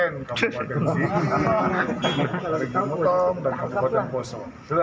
kabupaten sigi parigi mutong dan kabupaten poso